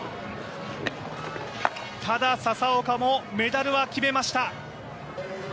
ただ、笹岡もメダルは決めました。